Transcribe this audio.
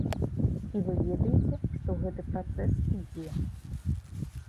І вы ведаеце, што гэты працэс ідзе.